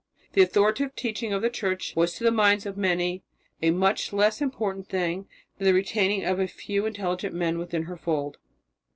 The authoritative teaching of the Church was to the minds of many a much less important thing than the retaining of a few intelligent men within her fold.